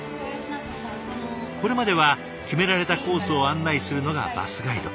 これまでは決められたコースを案内するのがバスガイド。